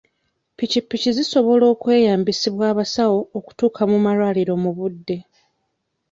Ppikippiki zisobola okweyambisibwa abasawo okutuuka ku malwaliro mu budde.